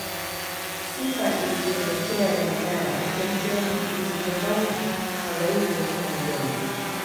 sifa isiyopotea ya manyara ni chemchem zisizokauka kwa zaidi ya miaka milioni